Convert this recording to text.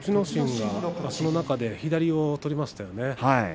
心は、その中で左を取りましたね。